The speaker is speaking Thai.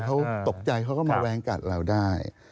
เขาตกใจเขาก็มาแว้งกัดเราได้